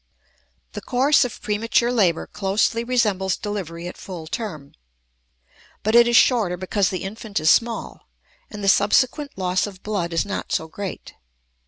The course of premature labor closely resembles delivery at full term. But it is shorter because the infant is small; and the subsequent loss of blood is not so great.